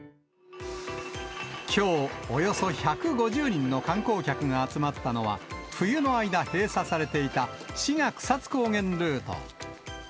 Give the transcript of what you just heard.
きょう、およそ１５０人の観光客が集まったのは、冬の間、閉鎖されていた志賀草津高原ルート。